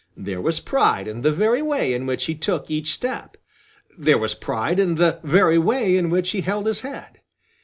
There was pride in the very way in which he took each step. There was pride in the very way in which he held his head.